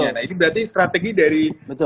nah itu berarti strategi dari mas ari